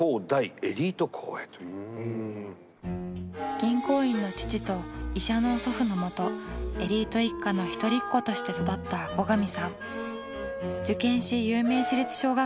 銀行員の父と医者の祖父のもとエリート一家の一人っ子として育った後上さん。